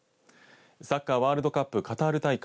サッカーワールドカップ、カタール大会。